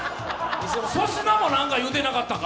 粗品もなんか言うてなかったか？